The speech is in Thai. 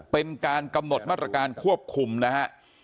เป็นการกำหนดมาตรการควบคุมนะฮะ